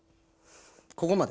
ここまで。